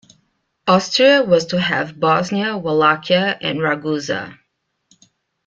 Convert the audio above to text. Austria was to have Bosnia, Wallachia and Ragusa.